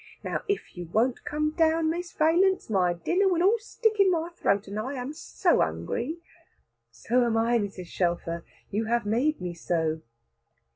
Now if you won't come down, Miss Valence, my dinner will all stick in my throat, and I am so hungry." "So am I, Mrs. Shelfer, you have made me so."